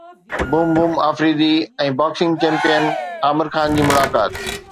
boom boom Afridi ۽ boxing champion Aamir Khan جي ملاقات